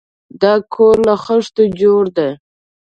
دا کور له خښتو جوړ دی.